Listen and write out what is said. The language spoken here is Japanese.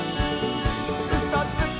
「うそつき！」